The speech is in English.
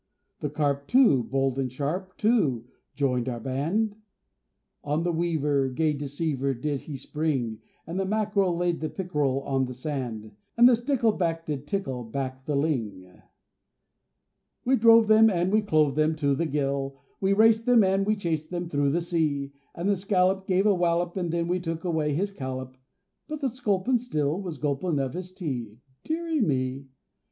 The Carp, too, bold and sharp, too, joined our band, On the Weaver, gay deceiver, did he spring, And the Mack'rel laid the Pick'rel on the sand, And the Stickle back did tickle back the Ling. We drove them, and we clove them to the gill, We raced them and we chased them through the sea; And the Scallop gave a wallop when we took away his collop, But the Sculpin still was gulpin' of his tea,—deary me!